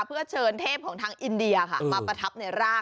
เพื่อเชิญเทพของทางอินเดียค่ะมาประทับในร่าง